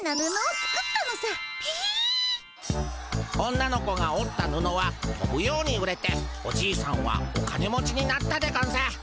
女の子がおったぬのはとぶように売れておじいさんはお金持ちになったでゴンス。